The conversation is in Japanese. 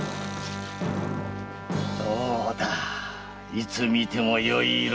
どうだいつ見てもよい色じゃのう。